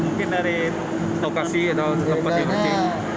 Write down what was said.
mungkin dari lokasi atau tempat yang masih